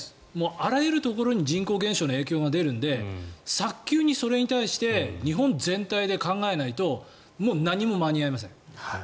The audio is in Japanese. あらゆるところに人口減少の影響が出るので早急にそれに対して日本全体で考えないともう何も間に合いません。